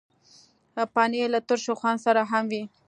پنېر له ترشو خوند سره هم وي.